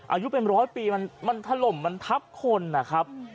อายุเป็นร้อยปีมันถล่มมันทับคนนะครับ